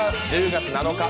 １０月７日